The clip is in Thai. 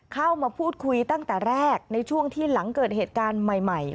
เข้ามาพูดคุยตั้งแต่แรกในช่วงที่หลังเกิดเหตุการณ์ใหม่